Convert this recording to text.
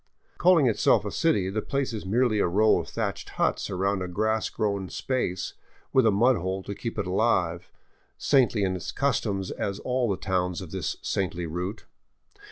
Calling itself a city, the place is merely a row of thatched huts around a grass grown space, with a mud hole to keep it alive, saintly in its customs as all the towns of this saintly route.